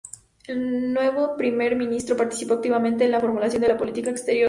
El nuevo primer ministro participó activamente en la formulación de la política exterior.